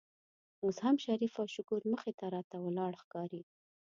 اوس هم شریف او شکور مخې ته راته ولاړ ښکاري.